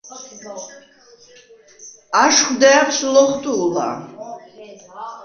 აშხვ და̄̈ვს ლოხვტუ̄ლა: